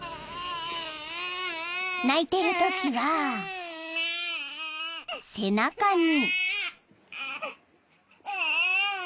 ［泣いているときは背中に］